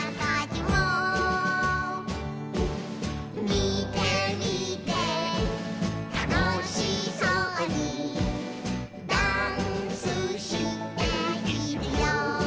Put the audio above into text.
「みてみてたのしそうにダンスしているよ」